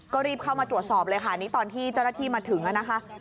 ก็รีบเข้ามาตรวจสอบเลยค่ะนี่ตอนที่เจ้าหน้าที่มาถึงนะคะ